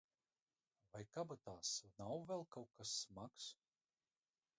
Vai kabatās nav vēl kaut kas smags?